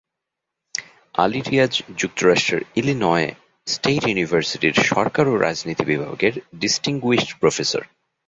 আলী রীয়াজ যুক্তরাষ্ট্রের Illinois state ইউনিভার্সিটির সরকার ও রাজনীতি বিভাগের ডিস্টিংগুইশড প্রফেসর